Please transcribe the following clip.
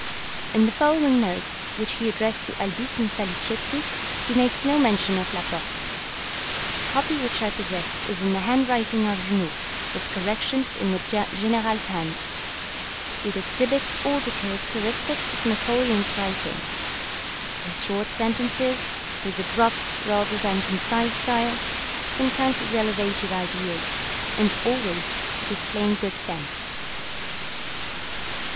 In the following note, which he addressed to Albitte and Salicetti, he makes no mention of Laporte. The copy which I possess is in the handwriting of Junot, with corrections in the General's hand. It exhibits all the characteristics of Napoleon's writing: his short sentences, his abrupt rather than concise style, sometimes his elevated ideas, and always his plain good sense.